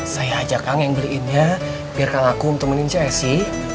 saya ajak kang yang beliinnya biarkan aku temenin si esy